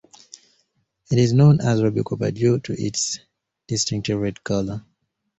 It is known as "ruby copper" due to its distinctive red color.